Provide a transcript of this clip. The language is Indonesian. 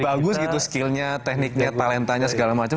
bagus gitu skillnya tekniknya talentanya segala macam